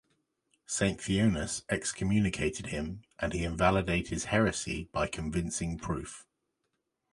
Saint Theonas excommunicated him and he invalidated his heresy by convincing proof.